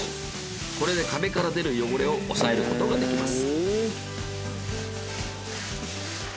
これで壁から出る汚れを抑えることができます。